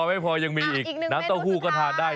ไม่พออีกหนึ่งตะโห้สุดท้าย